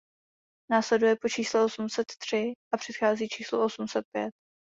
Následuje po čísle osm set tři a předchází číslu osm set pět.